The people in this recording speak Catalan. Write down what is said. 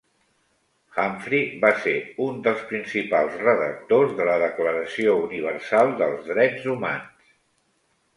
Humphrey va ser un dels principals redactors de la Declaració Universal dels Drets Humans.